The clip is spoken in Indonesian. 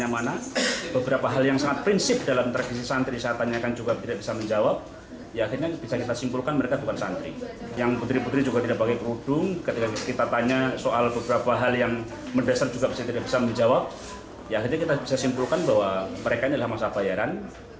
menjawab ya jadi kita bisa simpulkan bahwa mereka adalah masa bayaran